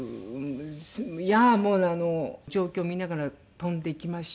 もうあの状況を見ながら飛んでいきまして。